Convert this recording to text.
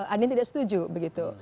ada yang tidak setuju begitu